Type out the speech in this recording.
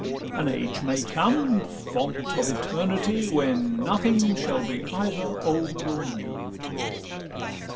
An age may come, Font of Eternity, When nothing shall be either old or new.